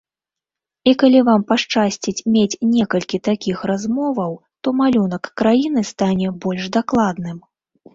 І калі вам пашчасціць мець некалькі такіх размоваў, то малюнак краіны стане больш дакладным.